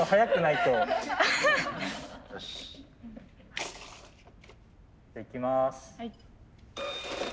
いきます。